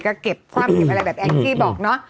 ก็เก็บคว่ามเก็บอะไรเพราะแอร์์คี่บอกเนอะ